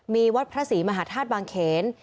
มีวัดพระศรีมหาธาตุบางเขน